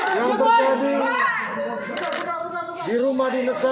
yang berkaitan dengan peristiwa yang berkaitan dengan peristiwa